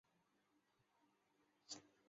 云南獐牙菜为龙胆科獐牙菜属下的一个种。